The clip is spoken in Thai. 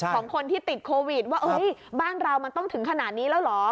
ของคนที่ติดโควิดว่าบ้านเรามันต้องถึงขนาดนี้แล้วเหรอ